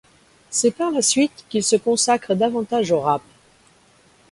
C'est par la suite qu'il se consacre davantage au rap.